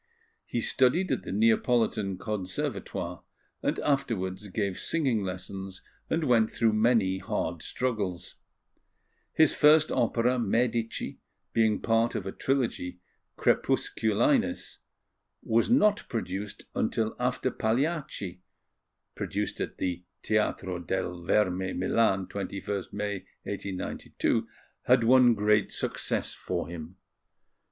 He studied at the Neapolitan Conservatoire, and afterwards gave singing lessons and went through many hard struggles. His first opera, Medici, being part of a trilogy, Crepusculinis, was not produced until after Pagliacci (produced at the Teatro dal Verme, Milan, 21st May, 1892) had won great success for him.